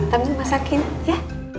tam juga masakin ya